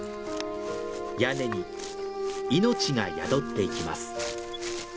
屋根に命が宿っていきます。